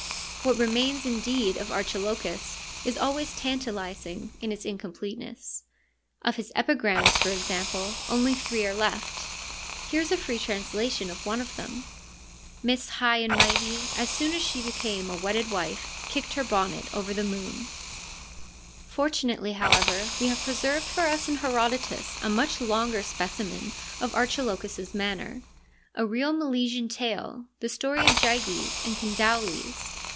What remains, indeed, of Archilochus is always tantalising in its incompleteness. Of his epigrams, for example, only three are left ; here is a free translation of one of them :' Miss High and mighty, as soon as she became a wedded wife, kicked her bonnet over the moon/ Fortunately, however, we have preserved for us in Herodotus a much longer specimen of Archilochus' manner — a real Milesian tale, the story of Gyges and Candaules.